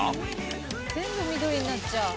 全部緑になっちゃう。